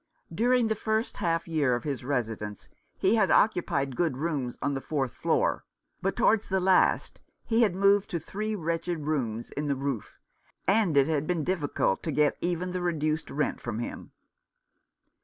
During the first half year of his residence he had occupied good rooms on the fourth floor, but towards the last he had moved to three wretched rooms in the roof, and it had been difficult to get even the re duced rent from him.